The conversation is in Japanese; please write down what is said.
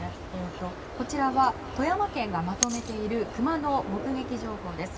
こちらは富山県がまとめているクマの目撃情報です。